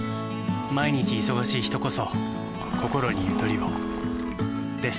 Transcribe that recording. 毎日忙しい人こそこころにゆとりをです。